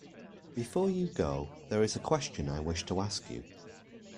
Before you go, there is a question I wish to ask you.